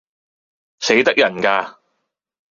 死得人架